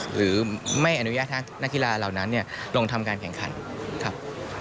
หรือไม่อนุญาตให้นักกีฬาเหล่านั้นลงทำการแข่งขันครับ